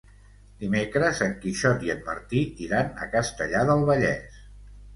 Dimecres en Quixot i en Martí iran a Castellar del Vallès.